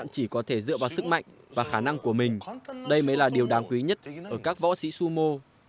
chỉ có thể dựa vào sức mạnh và khả năng của mình đây mới là điều đáng quý nhất ở các võ sĩ summo